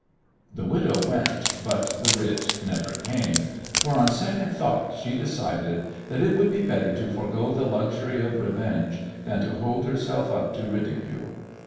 The widow went, but the writ never came, for on second thoughts she decided that it would be better to forego the luxury of revenge than to hold herself up to ridicule.